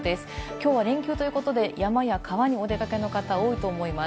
今日は連休ということで、山や川にお出かけの方、多いと思います。